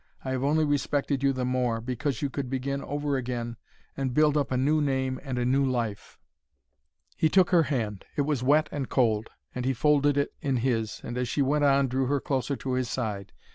I have only respected you the more, because you could begin over again and build up a new name and a new life." He took her hand. It was wet and cold, and he folded it in his, and as she went on drew her closer to his side.